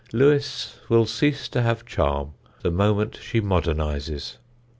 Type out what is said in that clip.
Lewes will cease to have charm the moment she modernises.